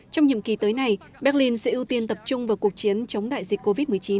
trong nhiệm kỳ tới này berlin sẽ ưu tiên tập trung vào cuộc chiến chống đại dịch covid một mươi chín